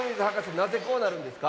なぜこうなるんですか？